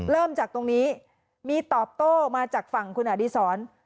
เริ่มจากตรงนี้มีตอบโต้มาจากฝั่งคุณอดีศร